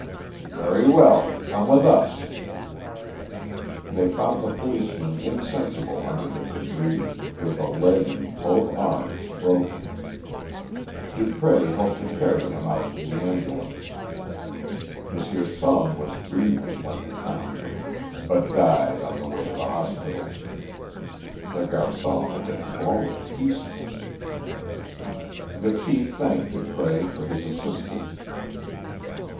"Very well, come with us." They found the policeman insensible under the débris, with a leg and both arms broken. Dupré helped to carry him out to the ambulance. M. Sonne was breathing when they found him, but died on the way to the hospital. The garçon had been blown to pieces. The Chief thanked Dupré for his assistance.